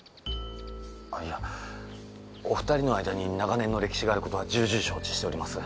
あっいやお二人の間に長年の歴史があることは重々承知しております。